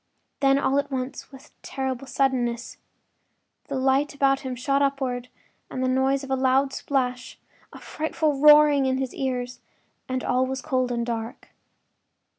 Then all at once, with terrible suddenness, the light about him shot upward with the noise of a loud splash; a frightful roaring was in his ears, and all was cold and dark.